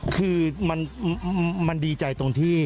คือมันดีใจตรงที่